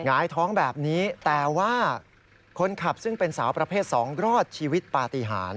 หงายท้องแบบนี้แต่ว่าคนขับซึ่งเป็นสาวประเภท๒รอดชีวิตปฏิหาร